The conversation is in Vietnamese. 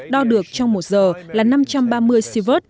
đo được trong một giờ là năm trăm ba mươi sivert